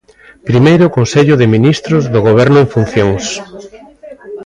Primeiro Consello de Ministros do Goberno en funcións.